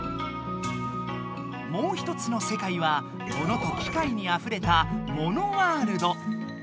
もう一つの世界はモノと機械にあふれた「モノワールド」。